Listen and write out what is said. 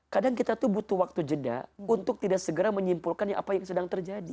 kadang kita tuh butuh waktu jeda untuk tidak segera menyimpulkan apa yang sedang terjadi